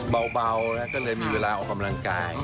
เบานะก็เลยมีเวลาออกกำลังกาย